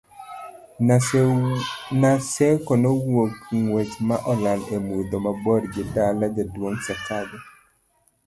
Naseko nowuok ng'wech ma olal e mudho mabor gi dala jaduong' Sakaja